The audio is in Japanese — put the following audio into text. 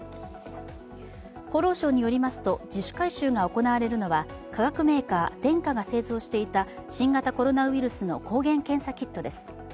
厚労省によりますと、自主回収が行われるのは化学メーカー・デンカが製造していた新型コロナウイルスの抗原検査キットです。